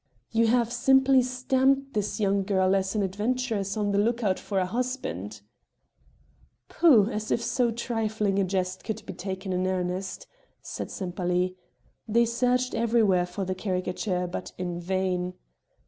"You have simply stamped this young girl as an adventuress on the look out for a husband." "Pooh! as if so trifling a jest could be taken in earnest!" said Sempaly. They searched everywhere for the caricature but in vain.